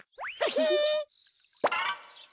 ヒヒヒ。